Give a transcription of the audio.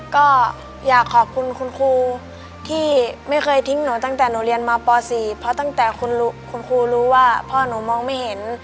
ก็อยากขอบคุณคุณครูที่ไม่เคยทิ้งหนูตั้งแต่หนูเรียนมป๔เพราะตั้งแต่คุณครูรู้ว่าพ่อหนูมองไม่เห็น